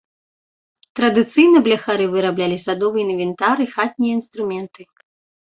Традыцыйна бляхары выраблялі садовы інвентар і хатнія інструменты.